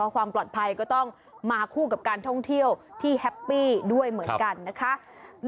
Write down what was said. ความปลอดภัยก็ต้องมาคู่กับการท่องเที่ยวที่แฮปปี้ด้วยเหมือนกันนะคะ